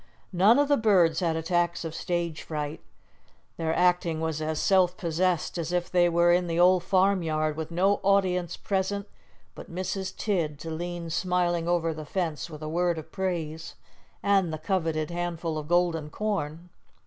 None of the birds had attacks of stage fright their acting was as self possessed as if they were in the old farm yard with no audience present but Mrs. Tidd to lean smiling over the fence with a word of praise, and the coveted handful of golden corn.